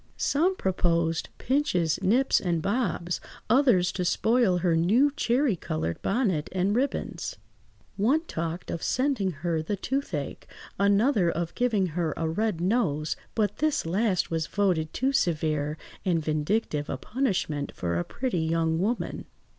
Some proposed "pinches, nips, and bobs," others to spoil her new cherry–coloured bonnet and ribands. One talked of sending her the toothache, another of giving her a red nose, but this last was voted too severe and vindictive a punishment for a pretty young woman.